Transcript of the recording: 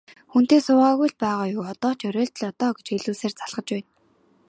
Хүнтэй суугаагүй л байгаа юу, одоо ч оройтлоо доо гэж хэлүүлсээр залхаж байна даа.